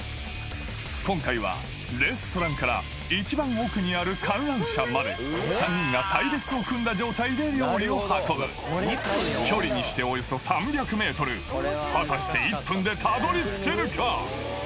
今回はレストランから一番奥にある観覧車まで３人が隊列を組んだ状態で料理を運ぶ距離にしておよそ３００ｍ果たして１分でたどり着けるか？